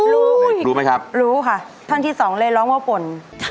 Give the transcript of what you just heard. รู้ไหมอีกครับรู้ค่ะธนที่สองเลยร้องว่าปน